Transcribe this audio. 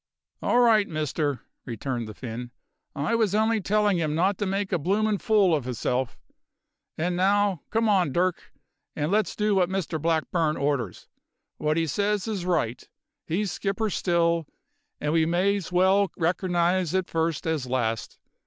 "All right, Mister," returned the Finn, "I was only tellin' him not to make a bloomin' fool of hisself. And now, come on, Dirk, and let's do what Mr Blackburn orders. What 'e says is right; he's skipper still, and we may's well recernise it first as last.